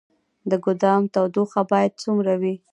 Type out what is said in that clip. د ګدام تودوخه باید څومره وي؟